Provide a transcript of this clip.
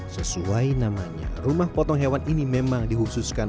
sesuai namanya rumah potong hewan ini memang dihususkan